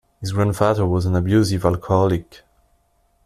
His grandfather was an abusive alcoholic.